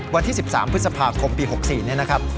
วันที่๑๓พฤษภาคมปี๖๔เนี่ยนะครับ